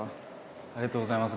ありがとうございます。